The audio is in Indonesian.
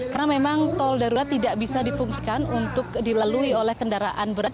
karena memang tol darurat tidak bisa difungsikan untuk dilalui oleh kendaraan berat